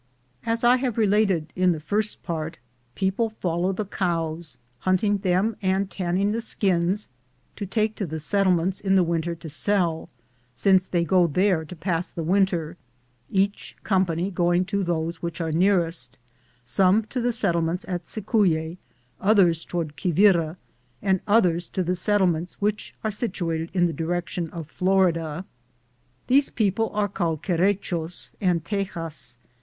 As I have related in the first part, people follow the cows, hunting them and tanning the skins to take to the settlements in the winter to sell, since they go there to pass the winter, each company going to those which are nearest, some to the settlements at Cicuye, others toward Quivira, and others to the settlements which are situated in the direction of Florida. These people are called Querechos and Teyas.